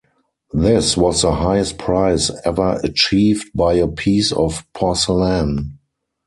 This was the highest price ever achieved by a piece of porcelain.